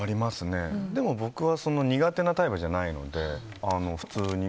でも僕は苦手なタイプじゃないので普通に。